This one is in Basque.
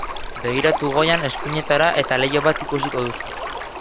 Begiratu goian eskuinetara eta leiho bat ikusiko duzu.